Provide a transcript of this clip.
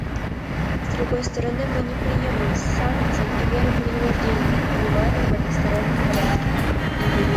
С другой стороны, мы не приемлем санкции и меры принуждения, принимаемые в одностороннем порядке.